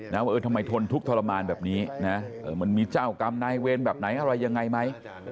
ว่าเออทำไมทนทุกข์ทรมานแบบนี้นะมันมีเจ้ากรรมนายเวรแบบไหนอะไรยังไงไหม